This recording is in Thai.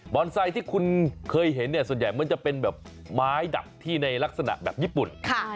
ไซค์ที่คุณเคยเห็นเนี่ยส่วนใหญ่มันจะเป็นแบบไม้ดับที่ในลักษณะแบบญี่ปุ่น